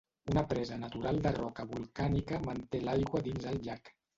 Una presa natural de roca volcànica manté l'aigua dins el llac.